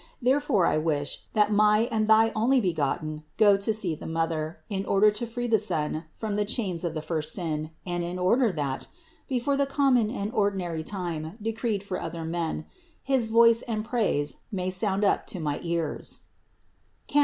Therefore I wish, that my and thy Onlybegotten go to see the mother, in order to free the son from the chains of the first sin and in order that, before the common and ordi nary time decreed for other men, his voice and praise may sound up to my ears (Cant.